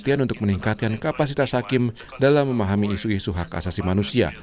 kepastian untuk meningkatkan kapasitas hakim dalam memahami isu isu hak asasi manusia